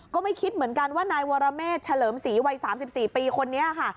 ก็ไม่คิดเหมือนกันว่านายวรเมฆเฉลิมศรีวัย๓๔ปีคนนี้ค่ะ